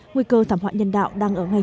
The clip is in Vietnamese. nguy cơ thảm họa nhân đạo đang ứng dụng